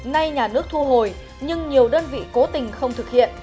nay nhà nước thu hồi nhưng nhiều đơn vị cố tình không thực hiện